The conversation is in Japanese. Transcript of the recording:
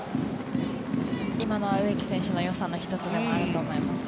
今のは植木選手のよさの１つでもあると思います。